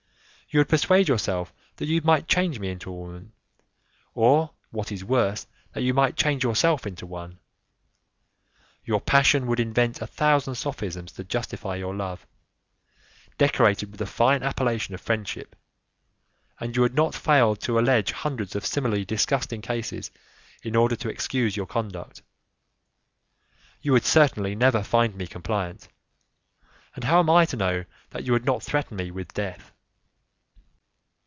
You would persuade yourself that you might change me into a woman, or, what is worse, that you might change yourself into one. Your passion would invent a thousand sophisms to justify your love, decorated with the fine appellation of friendship, and you would not fail to allege hundreds of similarly disgusting cases in order to excuse your conduct. You would certainly never find me compliant; and how am I to know that you would not threaten me with death?"